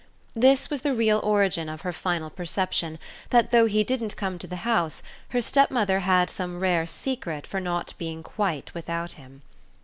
This was the real origin of her final perception that though he didn't come to the house her stepmother had some rare secret for not being quite without him.